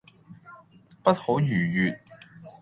不可逾越